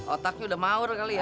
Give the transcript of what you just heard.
otaknya udah maur kali ya